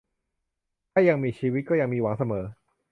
ถ้ายังมีชีวิตก็ยังมีหวังเสมอ